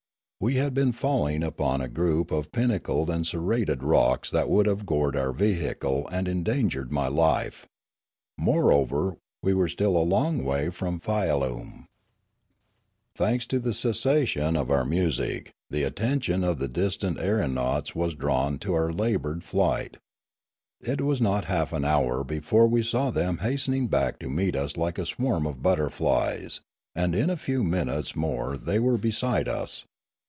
We had been falling upon a group of pinnacled and serrated rocks that would have gored our vehicle and endangered 62 Limanora my life. Moreover, we were still a long way from Fialume. Thanks to the cessation of our music, the attention of the distant aeronauts was drawn to our laboured flight. It was not half an hour before we saw them hastening back to meet us like a swarm of butterflies; and in a few minutes more they were beside us.